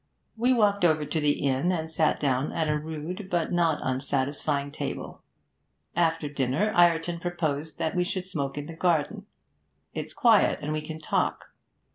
We walked over to the inn, and sat down at a rude but not unsatisfying table. After dinner, Ireton proposed that we should smoke in the garden. 'It's quiet, and we can talk.'